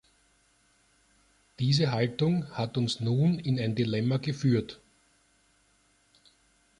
Diese Haltung hat uns nun in ein Dilemma geführt.